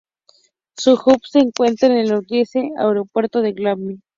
Su hub se encuentra en el londinense Aeropuerto de Gatwick.